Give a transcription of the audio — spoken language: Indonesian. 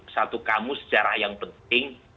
satu kamu sejarah yang penting